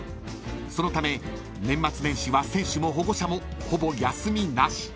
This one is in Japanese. ［そのため年末年始は選手も保護者もほぼ休みなし］